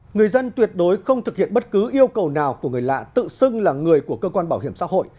người dân tuyệt đối không thực hiện bất cứ yêu cầu nào của người lạ tự xưng là người của cơ quan bảo hiểm xã hội